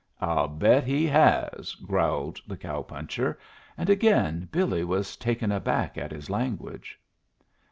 "I'll bet he has!" growled the cow puncher; and again Billy was taken aback at his language.